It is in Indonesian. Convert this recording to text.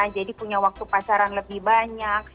jadi punya waktu pacaran lebih banyak